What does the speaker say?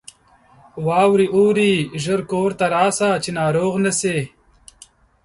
واوره اوري ! ژر کورته راسه ، چې ناروغ نه سې.